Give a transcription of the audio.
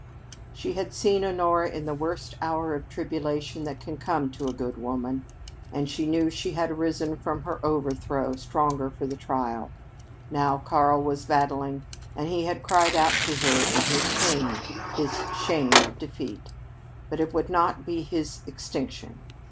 She had seen Honora in the worst hour of tribulation that can come to a good woman, and she knew she had arisen from her overthrow, stronger for the trial; now Karl was battling, and he had cried out to her in his pain his shame of defeat. But it would not be his extinction.